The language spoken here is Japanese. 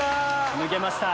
抜けました。